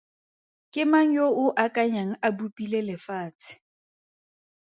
Ke mang yo o akanyang a bopile lefatshe?